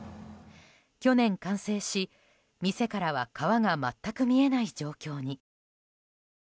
去年完成し、店からは川が全く見えない状況に。